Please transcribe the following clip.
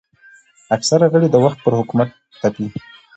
اکثره غړي د وخت پر حکومت تپي